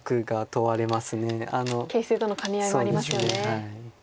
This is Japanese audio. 形勢との兼ね合いもありますよね。